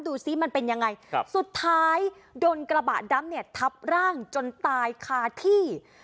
ซิมันเป็นยังไงครับสุดท้ายโดนกระบะดำเนี่ยทับร่างจนตายคาที่